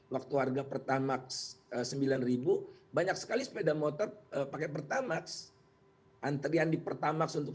waktu harga pertamax sembilan ribu banyak sekali sepeda motor pakai pertamax antrian di pertamax untuk